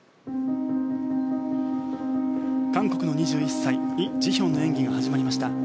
韓国の２１歳、イ・ジヒョンの演技が始まりました。